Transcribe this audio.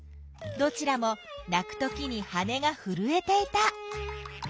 どちらも鳴くときに羽がふるえていた。